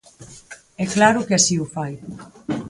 É claro que así o fai.